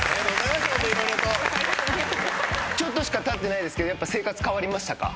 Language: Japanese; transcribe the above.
ちょっとしかたってないですけどやっぱ生活変わりましたか？